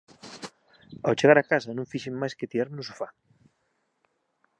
Ao chegar á casa non fixen máis que tirarme no sofá